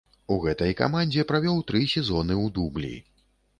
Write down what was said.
У гэтай камандзе правёў тры сезоны ў дублі.